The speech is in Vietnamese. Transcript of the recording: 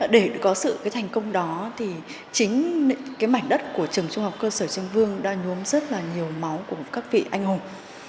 để có sự thành công đó chính mảnh đất của trường trung học cơ sở trưng vương đã nhuốm rất nhiều máu của các vị anh hùng